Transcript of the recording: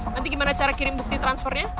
nanti gimana cara kirim bukti transfernya